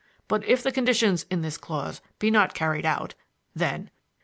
But if the conditions in this clause be not carried out then "3.